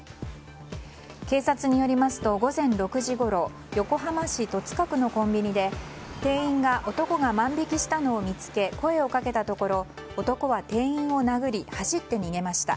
警察によりますと午前６時ごろ横浜市戸塚区のコンビニで店員が、男が万引きしたのを見つけ、声をかけたところ男は店員を殴り走って逃げました。